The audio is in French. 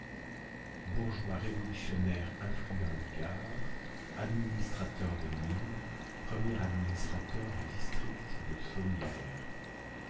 Bourgeois révolutionnaire influent du Gard, administrateur de Nîmes, premier administrateur du district de Sommières.